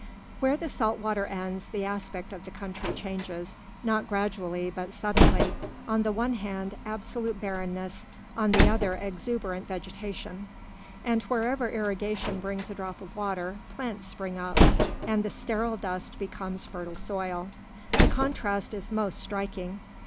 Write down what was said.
Where the salt water ends, the aspect of the country changes, not gradually, but suddenly; on the one hand absolute barrenness, on the other exuberant vegetation; and wherever irrigation brings a drop of water, plants spring up, and the sterile dust becomes fertile soil. The contrast is most striking.